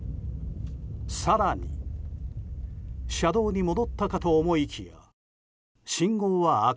更に車道に戻ったかと思いきや信号は、赤。